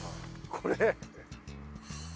これ？